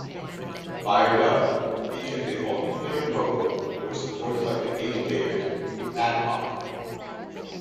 "Fired Up" features a multiplayer mode which supports up to eight players, through ad-hoc.